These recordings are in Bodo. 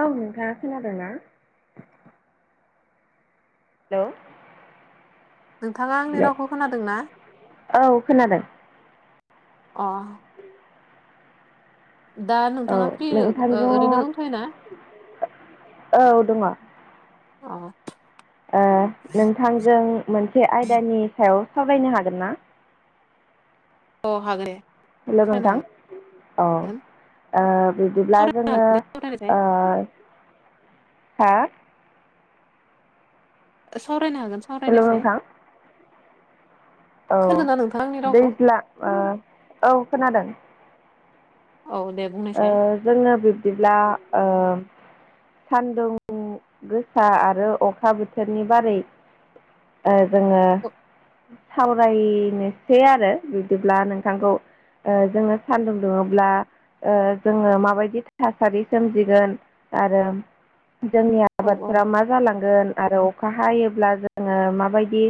औ नोंथाङा खोनादोंना हेल' नोंथाङा आंनि रावखौ खोनादों ना औ खोनादों अ दा औ नोंथाङा फ्रि नोंथांजों ओरैनो दंथयो ना औ दङ अ नोंथांजों मोनसे आयदानि सायाव सावरायनो हागोन ना अ हागोन दे हेल नोंथां सावरायनो हागोन अ बिदिब्ला सावरायनो हागोन जोङो दे सावरायनायसाय हा सावरायनो हागोन हेल' सावरायनायसाय नोंथां औ खोनादोंना नोंथाङा आंनि रावखौ? दैज्लां औ खोनादों औ दे बुंनायसाय जोंनो बिब्दिब्ला ओ सान्दुं गोसा आरो अखा बोथोरनि बारै जोङो रायनोसै आरो बिदिब्ला नोंथांखौ जोङो सान्दुं दुङोब्ला जोङो माबायदि थासारि सोमजिगोन आरो जोंनिया औ औ आबादफोरा मा जालांगोन आरो अखा हायोब्ला जोङो माबायदि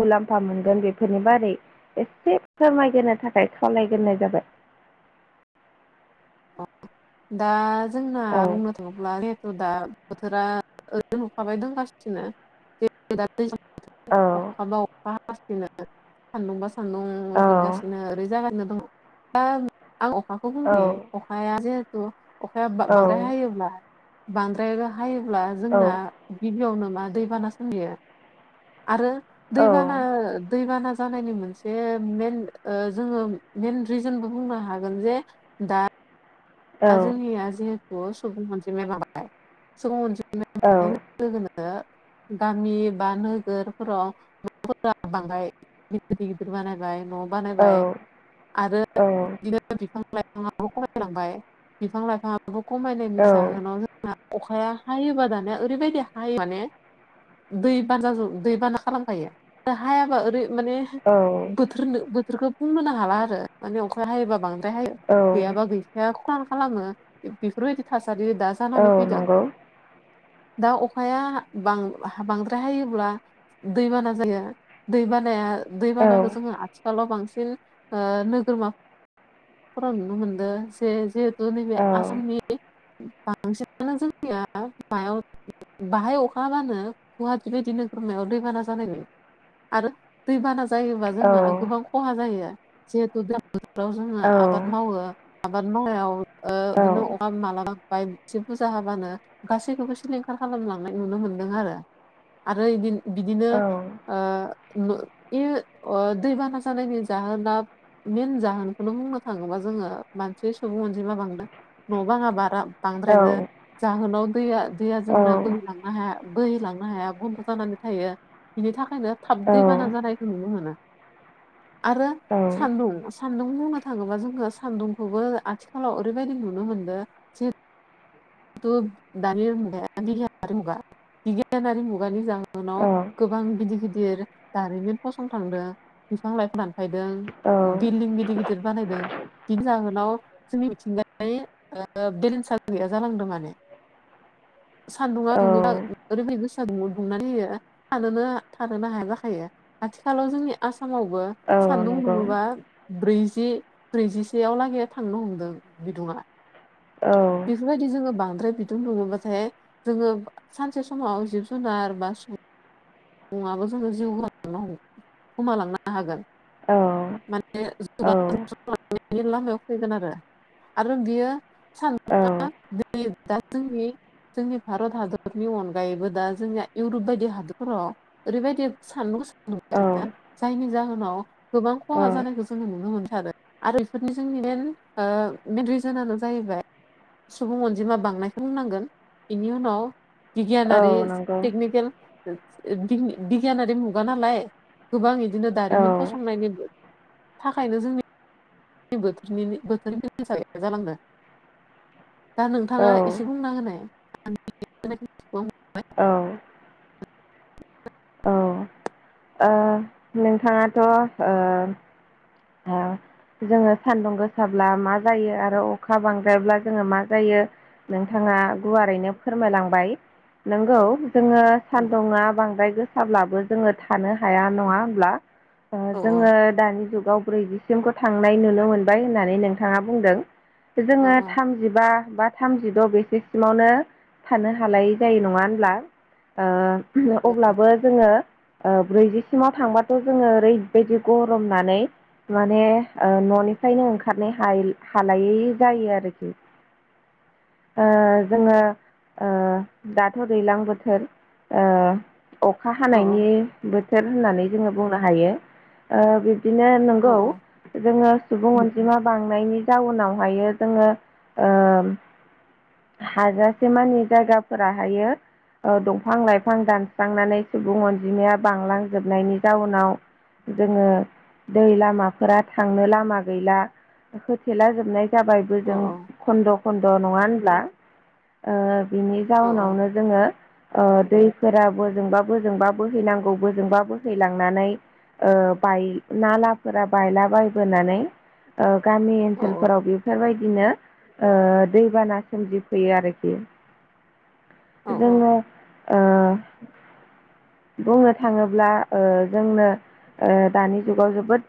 मुलाम्फा मोनगोन बेफोरनि बारै एसे फोरमायगोनो थाखाय खावलायग्रोननाय जाबाय दा जोंना औ बुंनो थाङोब्ला दे दा बोथोरा ओरैनो अखा हाबाय दं गासिनो [unintelligible] दैबा दै औ अखााबा अखा हासिनो सान्दुं बा सान्दुं औ दुंगासिनो ओरै जागानो दङ दा आं अखा औ [unintelligible] असाया जिहेथु [unintelligible] असाया औ बांद्राय हायोब्ला बांद्राय हायोब्ला औ जोंना गिबियावनो मा दैबाना सोमजियो आरो औ दैबाना दैबाना जानायनि मोनसे मेन रिजेनबो बुंनो हागोन जो दा दा जोंनिया जिहेथु सुबुं अनजिमाया लााबाय सुबुं अनजिमाया औ लोगो गामि बा नोगोरफोराव न'फोरा बांद्राय [unintelligible] गिदिर गिदिर बानायबाय न' बानायबाय आरो बि बिफां लाइफाङाबो खमायलांबाय बिफां लाइफाङाबो खमायनायनि जाहोनाव जों अखाया हायोबा दानया ओरैबायदि हायो माने दै बानाजों दैबाना खालामबायो हायाबा ओरै माने औ बोथोर बोथोरखौ बुंनो नो हाला आरो माने अखााया हायोबा बांद्राय हायो औ गैयाबा गैखाया खान खालामो बेफोरबायदि थासारि दा जानानै औ फैदों नंगौ दा अखाया बांद्राय हायोब्ला दैबाना जायो दैबानाया औ दैबानाखौ जोङो आथिखालाव बांसिन नोगोरमाफोरा नुनो मोनदों जेे बो नैबे आसामनि बांसिनानो जोंनिया मायाव बाहाय अखााबानो गुवाहाटी बिदिनो नोगोमायाव दैबाना जानाय बे आरो दैबाना जायोबा औ जोंहा गोबां खहा जायो जिहेतु बोथोराव जोङो आबाद मावो आबाद मावनायाव बिदिनो अखा मालाबा बाय एसे बुरजा हाबानो गासैखौबो सिलिंखार खालामलांनाय नुनो मोनदों आरो आरोदि बिदिनो औ ओ इ बे दैबाना जानायनि जाहोना मेन जाहोनखौनो बुंनो थाङोबा जोङो मानसि सुबुं मोनसि मा बांदो न' बाङा बारा औ नंगौ बांद्रायदों जाहोनाव दैया दैया औ जोंना बोहैलांनो हाया बोहैलांनो हाया बन्द' जानानै थायो बिनि थाखायनो थाब दैबाना जानायखौ नुनो मोनो आरो सान्दुं सान्दुं बुंनो थाङोबा जोङो सान्दुंखौबो आथिखालाव ओरैबायदि नुनो मोनदों थु दानिगा [unintelligible] [unintelligible] नाव गोबां गिदिर गिदिर दारिमिन फसंथांदों बिफां लाइफां दानफायदों औ बिल्डिं गिदिर गिदिर बानायदों बिनि जाहोनाव जोंनि मिथिंगाय बेलेन्सा गैया जालांदों माने सान्दुङा औ दुङोबा औ ओरैबायदि [unintelligible] थानोनो हाया जाखायो आथिखालाव जोंनि आसामावबो सान्दुं नंगौ दुङोबा ब्रैजि ब्रैजिसेयाव लागै थांनो हमदों बिदुङा औ औ बेफोरबायदि जोङो बांद्राय बिदुं लुङोबाथाय जोङो सानसे समाव जिब जुनार बा सुबुं ङाबो जोङो जिउ गोमालांनो हमगोन गोमालांनो हागोन औ [unintelligible] लामायाव फैगोन आरो आरो बियो सानदुङा [unintelligible] दा जोंनि जोंनि भारत हादरनि अनगायैबो दा जोंनिया इउरप बायदि हादर फोरााव ओरैबायदि सानदुं गोसा दुंगासिनो जायनि जाहोनाव गोबां खहा जानायखौ जोङो नुनो मोनथादों आरो बेफोरनि जोंनि मेन मेन रिजोनानो जाहैबाय सुबुं अनजिमा बांनायखौ बुंनांगोन बेनि उनाव बिगियानारि टेकनिकेल बिगियानारि मुगा नालाय गोबां बिदिनो दारिमिन फसंनायनि थाखायनो जोंनि बोथोरनि [unintelligible] दा नोंथाङा एसे बुंना होनाय ओ नोंथाङाथ ओ जोङो सान्दुं गोसाब्ला मा जायो आरो अखा बांद्रायब्ला जोङो मा जायो नोंथाङा गुवारैनो फोरमायलांबाय नंगौ जोङो सान्दुङा बांद्राय गोसाब्लाबो जोङो थानो हाया नङा होमब्ला औ जोङो दानि जुगाव ब्रैजिसे खौ थांनाय नुनो मोनबाय होननानै नोंथाङा बुंदों औ जोङो थाम जिबा बा थामजिद बेसेसिमावनो थानो हालाय जायो नङा होनब्ला अब्लाबो जोङो ब्रैजिसिमाव थांबाथ जोङो ओरैबायदि गरमनानै माने न'निफ्रायनो ओंखारनाय हालायै जायो आरोखि ओ जोङो दाथ दैज्लां बोथोर अखा औ हानायनि बोथोर होननानै जोङो बुंनो हायो बिब्दिनो नंगौ औ जोङो सुबुं अनजिमा बांनायनि जाउनावहायो जोङो ओ हाजासे मानि जायगाफोराहायो दंफां लाइफां दानस्रांनानै सुबुं अनजिमाया बांलांजोबनायनि जाउनाव जोङो दै लामाफोरा थांनो लामा गैला होथेला जोबनाय जाबाय औ जों खन्द खन्द नङा होनब्ला बिनि औ जाउनावनो जोङो दैफोरा बोजोंबा बोजोंबा बोहैनांगौ बोजोंबा बोहैलांनानै बाय नालाफोरा बायलाबायबोनानै ओ गामि औ ओनसोलफोराव बेफोरबायदिनो दैबाना सोमजिफैयो आरोखि औ जोङो बुंनो थाङोब्ला जोंनो दानि जुगाव जोबोद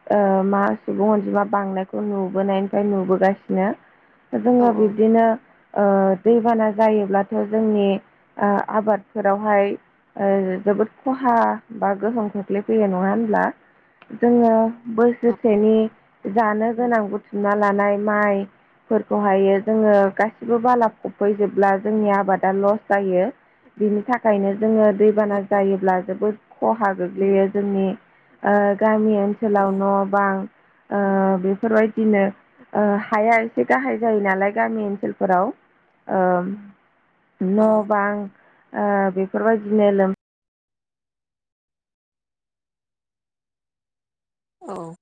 मा सुबुं अनजिमा बांनायखौ नुबोनायनिफ्राय नुबोगासिनो औ जोङो बिब्दिनो दैबाना जायोब्लाथ जोंनि आबादफोरावहाय जोबोद खहा बा गोहोम खोख्लैफैयो नङा होनब्ला जोङो बोसोरसेनि जानो गोनां बुथुमना लानाय माइ फोरखौहायो जोङो गासिबो बाला फबहै जोबब्ला जोंनि आबादा लस जायो बिनि थाखायनो जोङो दैबाना जायोब्ला जोबोद खहा गोग्लैयो जोंनि गामि औ ओनसोलाव न' बां बेफोरबायदिनो हाया एसे गाहाय जायो नालाय गामि ओनसोलफोराव न' औ बां बेफोरबायदिनो लोम औ